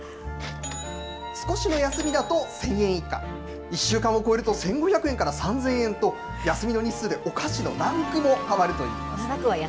少しの休みだと１０００円以下、１週間を超えると１５００円から３０００円と、休みの日数でお菓子のランクも変わるといいます。